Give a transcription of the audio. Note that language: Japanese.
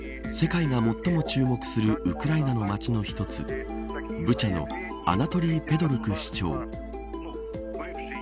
世界が最も注目するウクライナの町の１つブチャのアナトリー・ペドルク市長。